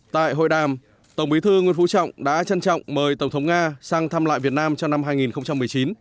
tại hội đàm tổng bí thư nguyễn phú trọng đã trân trọng mời tổng thống nga sang thăm lại việt nam trong năm hai nghìn một mươi chín